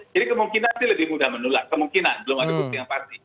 jadi kemungkinan sih lebih mudah menular kemungkinan belum ada bukti yang pasti